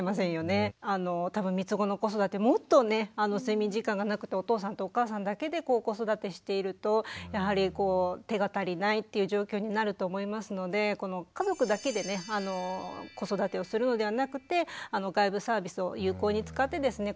多分みつごの子育てもっとね睡眠時間がなくてお父さんとお母さんだけで子育てしているとやはり手が足りないっていう状況になると思いますので外部サービスを有効に使ってですね